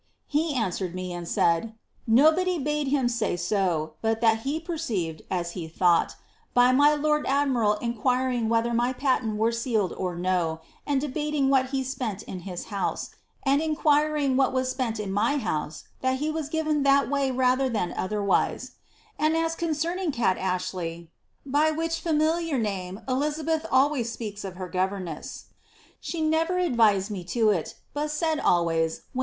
He answered me, and said, 'Nobody bade him say >o. but that he perceived, as he thought, by my lord admiral inquiring whether my patent were sealed or no, and debating what he spent in his house, and in quiring what was spent in my house, that he was given that way rather than Jiherwise ' And as concerning Kat Ashley, (fry which familiar nanie Elizabeth dtra^t ffteakt of her governess^) she never advised me to it, but said always, when ir.